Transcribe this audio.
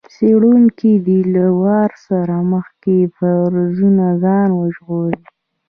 څېړونکی دې له وار له مخکې فرضونو ځان وژغوري.